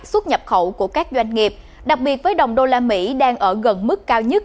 xuất nhập khẩu của các doanh nghiệp đặc biệt với đồng đô la mỹ đang ở gần mức cao nhất